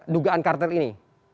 dugaan carter ini